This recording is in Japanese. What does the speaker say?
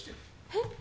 えっ？